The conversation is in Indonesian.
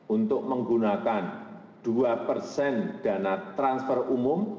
untuk menggunakan dua persen dana transfer umum